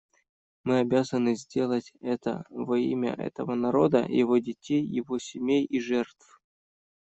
Мы обязаны сделать это во имя этого народа, его детей, его семей и жертв.